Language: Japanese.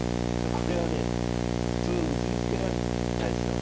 これはね普通結び付けられないですよ。